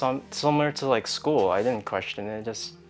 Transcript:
ini seperti sekolah saya tidak bertanya tanya